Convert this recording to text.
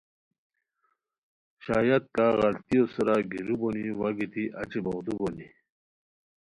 شاید کا غلطیو سورہ گیرو بونی واگیتی اچی بوغدو بونی